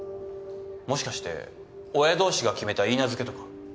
もしかして親同士が決めたいいなずけとか？